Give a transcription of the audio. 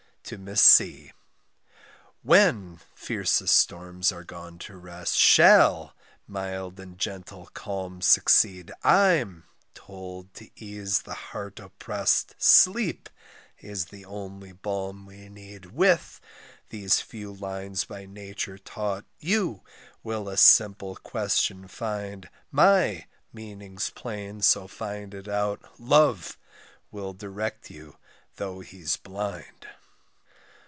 To Miss C =When= fiercest storms are gone to rest, =Shall= mild and gentle calms succeed, =I= 'm told, to ease the heart opprest, =Sleep= is the only balm we need. =With= these few lines, by nature taught, =You= will a simple question find; =My= meaning's plain, so find it out, =Love= will direct you, tho' he's blind.